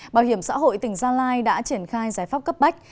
bảo hiểm xã hội tỉnh gia lai đã triển khai giải pháp cấp bách